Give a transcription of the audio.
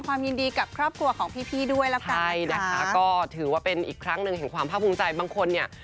ก็ถือว่าเป็นอีกครั้งหนึ่งของความพักภูมิใจบางคนเนี่ย